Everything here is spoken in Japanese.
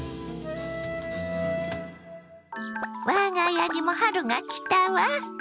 我が家にも春が来たわ。